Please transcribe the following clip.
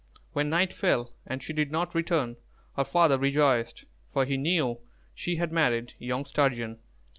When night fell, and she did not return, her father rejoiced, for he knew she had married young Sturgeon.